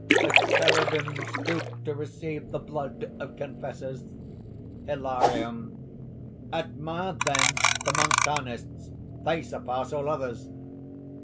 The cherubim stoop to receive the blood of confessors." HILARION. "Admire, then, the Montanists! they surpass all others."